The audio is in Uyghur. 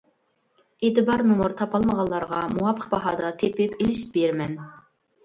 ئېتىبار نومۇر تاپالمىغانلارغا مۇۋاپىق باھادا تېپىپ ئېلىشىپ بېرىمەن.